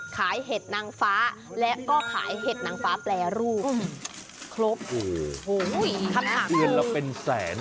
ขายเห็ดนางฟ้าและก็ขายเห็ดนางฟ้าแปรรูปครบโอ้โหเห็นแล้วเป็นแสนอ่ะ